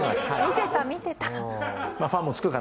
見てた見てた。